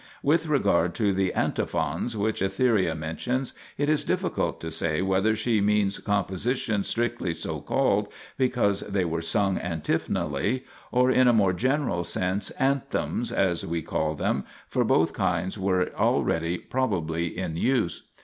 With regard to the "antiphons" which Etheria mentions, it is difficult to say whether she means compositions strictly so called, because they were sung antiphonally, or in a more general sense " anthems " as we call them, for both kinds were already probably in use.